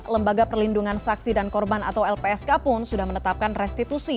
lembaga perlindungan saksi dan korban atau lpsk pun sudah menetapkan restitusi